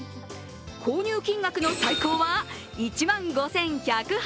購入金額の最高は１万５１８０円。